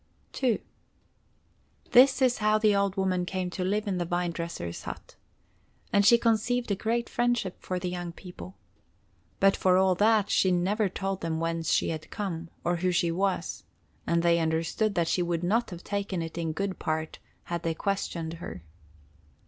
II This is how the old woman came to live in the vine dresser's hut. And she conceived a great friendship for the young people. But for all that she never told them whence she had come, or who she was, and they understood that she would not have taken it in good part had they questioned her.